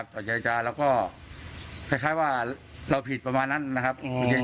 เจรจาแล้วก็คล้ายว่าเราผิดประมาณนั้นนะครับ